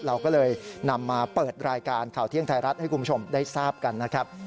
เราก็เลยนำมาเปิดรายการข่าวเที่ยงไทยรัฐให้คุณผู้ชมได้ทราบกันนะครับ